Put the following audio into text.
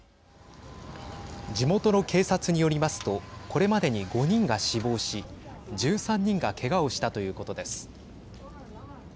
地元の警察によりますとこれまでに５人が死亡し１３人がけがをしたということです。